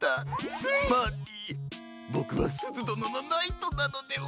つまりボクはすずどののナイトなのでは？